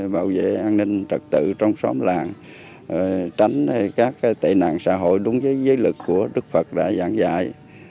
bảo vệ an ninh trật tự trong xóm làng tránh các tệ nạn xã hội đúng với giới lực của đức phật đã giảng dạy